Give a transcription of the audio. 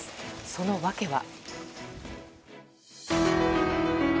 その訳は。